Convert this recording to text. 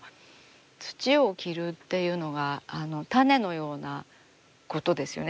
土を着るっていうのが種のようなことですよね。